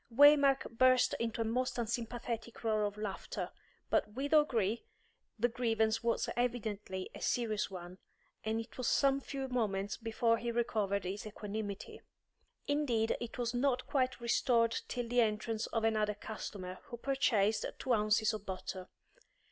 Waymark burst into a most unsympathetic roar of laughter, but with O'Gree the grievance was evidently a serious one, and it was some few moments before he recovered his equanimity. Indeed it was not quite restored till the entrance of another customer, who purchased two ounces of butter.